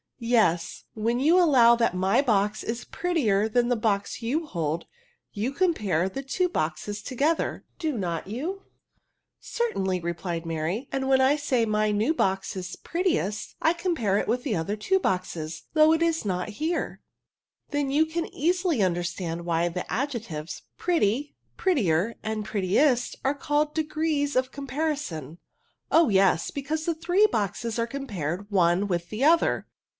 " Yes ; when you allow that my box is ADJECTIVES, 31 prettier than the box you hold, you compare the two boxes together, do not you ?"" Certainly," replied Mary ;" and when I say that my new box is prettiest, I compare it with the other two boxes, though it is not here." " Then you can easily understand why the adjectives pretty, prettier , and prettiest, are called degrees of comparison." Oh yes, because the three boxes are compafed one with the other.